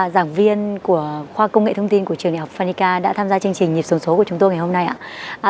giảng viên của khoa công nghệ thông tin của trường đại học phanika đã tham gia chương trình nhịp sống số của chúng tôi ngày hôm nay ạ